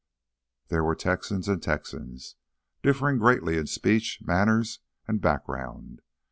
There were Texans and Texans, differing greatly in speech, manners, and background.